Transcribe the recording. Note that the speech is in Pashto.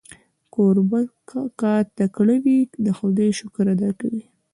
کوربه که تکړه وي، د خدای شکر ادا کوي.